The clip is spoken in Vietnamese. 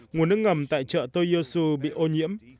nguồn nước ngầm tại chợ toyosu bị ô nhiễm